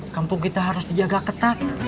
kampung kita harus dijaga ketat